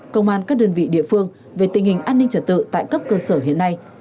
công an các đơn vị địa phương về tình hình an ninh trật tự tại cấp cơ sở hiện nay